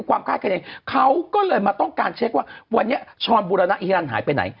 เค้าก็เลยมาต้องการเช็กว่าวันนี้ช้อนบู๊บหายไปไหน